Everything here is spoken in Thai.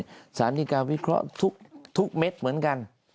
ศาสตร์ศาสตร์ดีการ์วิเคราะห์ทุกเม็ดเหมือนกัน